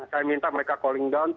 saya minta mereka calling down